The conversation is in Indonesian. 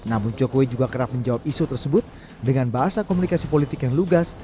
namun jokowi juga kerap menjawab isu tersebut dengan bahasa komunikasi politik yang lugas